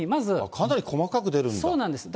かなり細かく出るんだ。